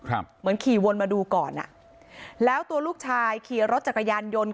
เหมือนขี่วนมาดูก่อนอ่ะแล้วตัวลูกชายขี่รถจักรยานยนต์